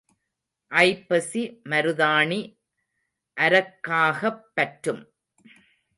ஐப்பசி மருதாணி அரக்காகப் பற்றும்.